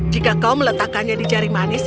jika kau meletakkannya di jari manis